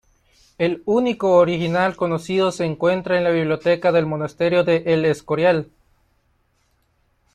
El único original conocido se encuentra en la biblioteca del Monasterio de El Escorial.